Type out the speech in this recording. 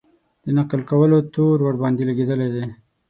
د نقل کولو تور ورباندې لګېدلی دی.